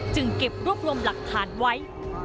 เก็บรวบรวมหลักฐานไว้